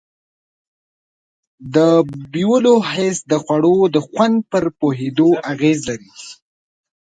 د بویولو حس د خوړو د خوند پر پوهېدو اغیز لري.